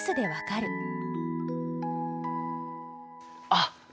あっ！